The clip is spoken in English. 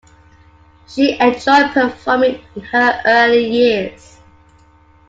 She enjoyed performing in her early years.